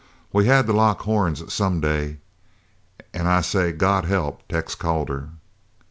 We had to lock horns some day. An' I say, God help Tex Calder!"